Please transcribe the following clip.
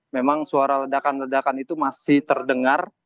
memang suara ledakan ledakan itu masih terdengar